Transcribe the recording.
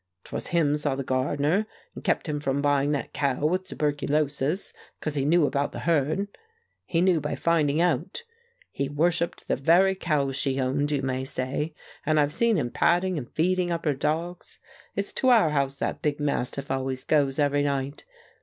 'Twas him saw the gardener, and kept him from buying that cow with tuberculosis, 'cause he knew about the herd. He knew by finding out. He worshipped the very cows she owned, you may say, and I've seen him patting and feeding up her dogs; it's to our house that big mastiff always goes every night.